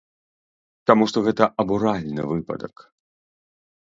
Таму што гэта абуральны выпадак.